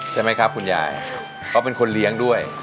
ใช่ไหมครับคุณยายเขาเป็นคนเลี้ยงด้วย